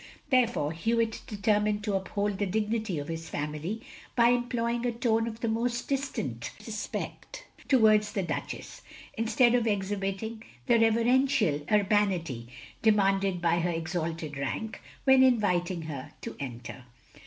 '' Therefore Hewitt determined to uphold the dignity of his family by employing a tone of the most distant respect towards the Duchess, instead of exhibiting the reverential urbanity demanded by her exalted rank, when inviting her to enter.